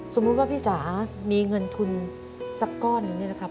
สมมุติว่าพี่จ๋ามีเงินทุนสักก้อนหนึ่งเนี่ยนะครับ